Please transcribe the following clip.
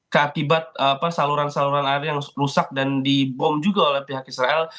keakibat saluran saluran air yang rusak dan dibom juga oleh pihak israel